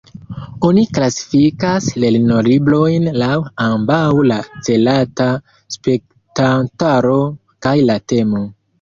Oni klasifikas lernolibrojn laŭ ambaŭ la celata spektantaro kaj la temo.